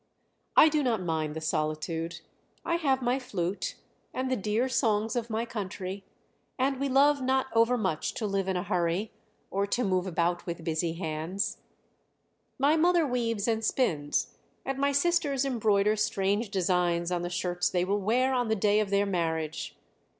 "I do not mind the solitude I have my flute, and the dear songs of my country; and we love not overmuch to live in a hurry, or to move about with busy hands. "My mother weaves and spins, and my sisters embroider strange designs on the shirts they will wear on the day of their marriage.